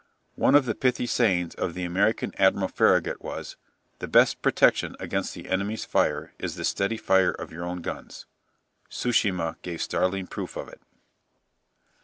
One of the pithy sayings of the American Admiral Farragut was: "The best protection against the enemy's fire is the steady fire of your own guns." Tsu shima gave startling proof of it.